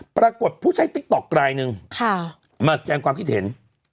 ปรากฏผู้ใช้ติ๊กต๊อกไกลหนึ่งมาสแกนความคิดเห็น